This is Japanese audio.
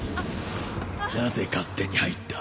なぜ勝手に入った？